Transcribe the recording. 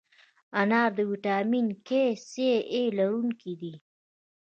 انار د ویټامین A، C، K لرونکی دی.